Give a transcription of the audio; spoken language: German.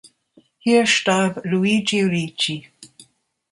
Hier starb Luigi Ricci.